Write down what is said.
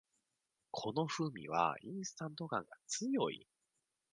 この風味はインスタント感が強い